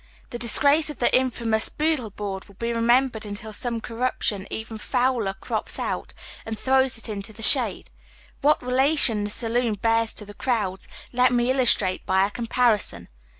The disgi ace of the infamous " Boodle Board " will be remembered until some corruption even fouler crops out and throws it into the shade. What relation the. saloon bears to the crowds, let me il histrate by a comparison.